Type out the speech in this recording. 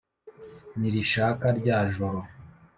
Nirishaka rya joro